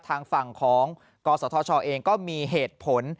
ทางฝั่งของกศธชเองก็มีเหตุผล